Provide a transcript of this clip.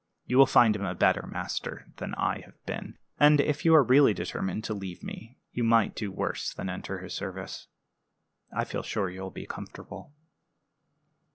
You will find him a better master than I have been; and if you are really determined to leave me, you might do worse than enter his service. I feel sure you will be comfortable."